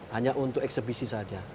hanya untuk eksepsisi saja